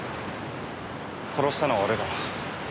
殺したのは俺だ。